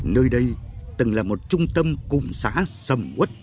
nơi đây từng là một trung tâm cùng xã xâm quất